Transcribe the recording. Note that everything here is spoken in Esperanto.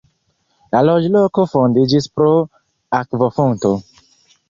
La loĝloko fondiĝis pro akvofonto.